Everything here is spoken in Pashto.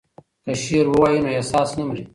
که شعر ووایو نو احساس نه مري.